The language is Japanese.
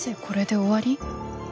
これで終わり？